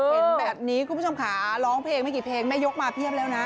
เห็นแบบนี้คุณผู้ชมขาร้องเพลงไม่กี่เพลงแม่ยกมาเพียบแล้วนะ